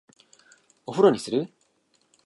お風呂にする？